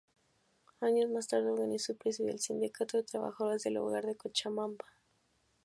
Años más tarde organizó y presidió el Sindicato de Trabajadoras del Hogar de Cochabamba.